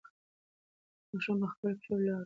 ماشوم په خپلو پښو ولاړ و.